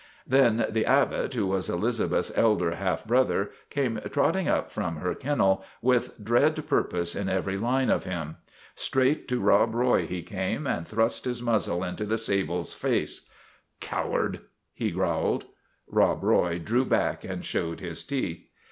" Then The Abbot, who was Elizabeth's elder half brother, came trotting up from her kennel, with dread purpose in every line of him. Straight to (C tf io8 JUSTICE AT VALLEY BROOK Rob Roy he came, and thrust his muzzle into the sable's face. '' Coward !' he growled. Rob Roy drew back and showed his teeth.